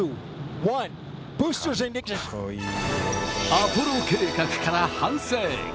アポロ計画から半世紀。